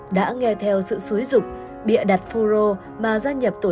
đã nghe thấy một số người dân đắc hoa